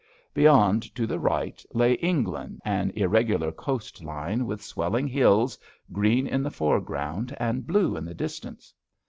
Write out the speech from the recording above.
Beyond, to the right, lay England, an irregular coast line, with swelling hills, green in the foreground and blue in the distance.